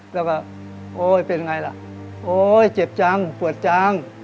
แล้วก็โอ๊ยเป็นไงล่ะโอ๊ยเจ็บจังปวดจัง